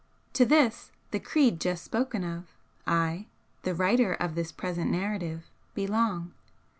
To this, the creed just spoken of, I, the writer of this present narrative, belong.